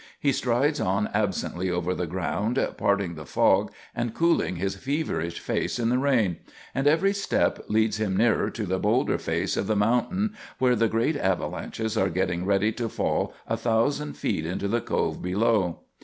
He strides on absently over the ground, parting the fog and cooling his feverish face in the rain; and every step leads him nearer to the boulder face of the mountain where the great avalanches are getting ready to fall a thousand feet into the Cove below.